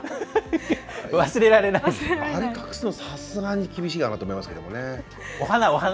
あれ、隠すの、さすがに厳しいと思いますけど。